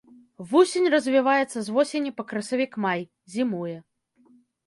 Вусень развіваецца з восені па красавік-май, зімуе.